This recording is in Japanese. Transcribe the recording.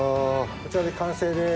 こちらで完成です。